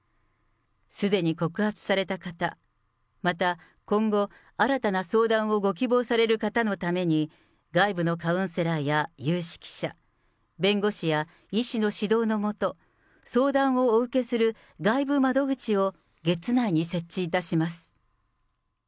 すでに告発された方、また今後、新たな相談をご希望される方のために、外部のカウンセラーや有識者、弁護士や医師の指導の下、相談をお受けする外部窓口を月内に設置いたします。